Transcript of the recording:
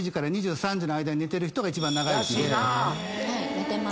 寝てます。